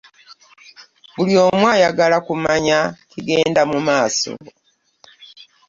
Buli omu ayagala kumanya kigenda mu maaso.